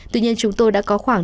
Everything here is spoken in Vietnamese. tuy nhiên chúng tôi đã có khoảng